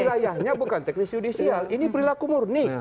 wilayahnya bukan teknis judicial ini perilaku murni